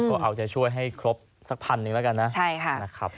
ก็เอาจะช่วยให้ครบสักพันหนึ่งแล้วกันนะครับนะครับใช่ค่ะ